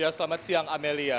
ya selamat siang amelia